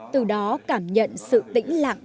từ đó cảm nhận sự tĩnh lặng